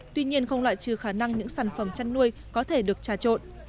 tuy nhiên không loại trừ khả năng những sản phẩm chăn nuôi có thể được trà trộn